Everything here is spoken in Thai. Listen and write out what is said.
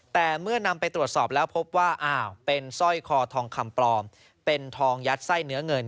แต่เมื่อนำไปตรวจสอบแล้วพบว่าอ้าวเป็นสร้อยคอทองคำปลอมเป็นทองยัดไส้เนื้อเงิน